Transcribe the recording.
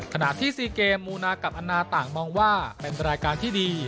ขณะที่ซีเกมมูนากับอันนาต่างมองว่าเป็นรายการที่ดี